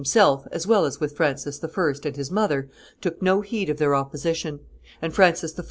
himself as well as with Francis I. and his mother, took no heed of their opposition; and Francis I.